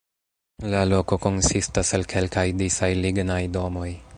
La loko konsistas el kelkaj disaj lignaj domoj.